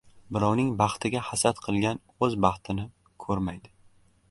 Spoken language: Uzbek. • Birovning baxtiga hasad qilgan o‘z baxtini ko‘rmaydi.